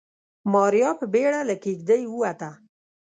ماريا په بيړه له کېږدۍ ووته.